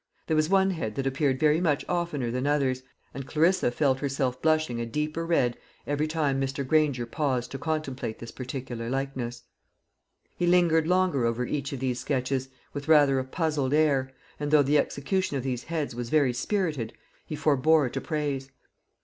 There was one head that appeared very much oftener than others, and Clarissa felt herself blushing a deeper red every time Mr. Granger paused to contemplate this particular likeness. He lingered longer over each of these sketches, with rather a puzzled air, and though the execution of these heads was very spirited, he forbore to praise.